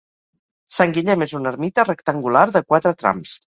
Sant Guillem és una ermita rectangular de quatre trams.